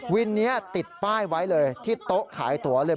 วินนี้ติดป้ายไว้เลยที่โต๊ะขายตัวเลย